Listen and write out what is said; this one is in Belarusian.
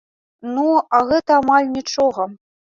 Ну, а гэта амаль нічога.